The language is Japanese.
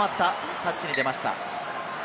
タッチに出ました。